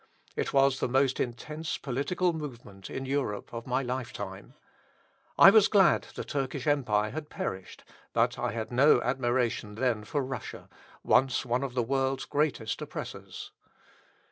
It was the most intense political movement in Europe of my lifetime. I was glad the Turkish Empire had perished, but I had no admiration then for Russia, once one of the world's greatest oppressors.